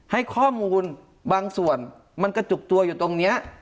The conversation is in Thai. ให้ข้อมูลบางส่วนมันกระจุกตัวอยู่ตรงนี้